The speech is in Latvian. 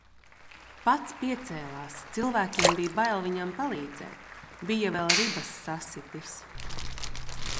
Pats piecēlās, cilvēkiem bija bail viņam palīdzēt. Bija vēl ribas sasitis.